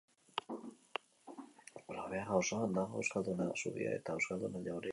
Olabeaga auzoan dago, Euskalduna zubia eta Euskalduna jauregiaren alboan.